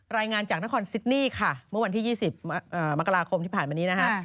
รายงานจากนครซิดนี่ค่ะเมื่อวันที่๒๐มกราคมที่ผ่านมานี้นะคะ